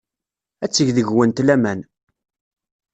Ad teg deg-went laman.